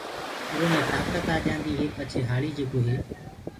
اُرو مي تآڪت آجآندي هي پڇي هآݪي جيڪو هي